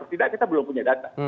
tidak kita belum punya data